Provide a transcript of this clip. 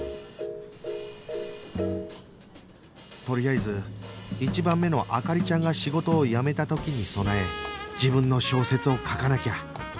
とりあえず１番目の灯ちゃんが仕事を辞めた時に備え自分の小説を書かなきゃ